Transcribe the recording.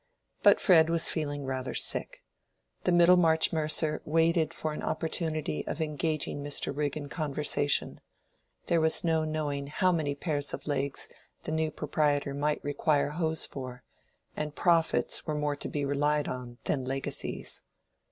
But Fred was feeling rather sick. The Middlemarch mercer waited for an opportunity of engaging Mr. Rigg in conversation: there was no knowing how many pairs of legs the new proprietor might require hose for, and profits were more to be relied on than legacies.